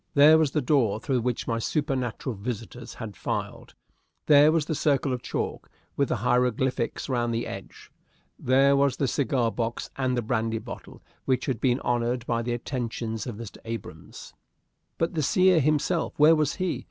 There was the door through which my supernatural visitors had filed. There was the circle of chalk, with the hieroglyphics round the edge. There was the cigar box and brandy bottle which had been honored by the attentions of Mr. Abrahams. But the seer himself where was he?